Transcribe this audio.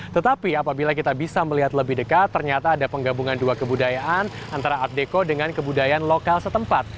tetapi apabila kita bisa melihat lebih dekat ternyata ada penggabungan dua kebudayaan antara art deco dengan kebudayaan lokal setempat